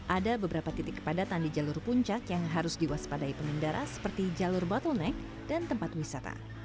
ada beberapa titik kepadatan di jalur puncak yang harus diwaspadai pengendara seperti jalur bottleneck dan tempat wisata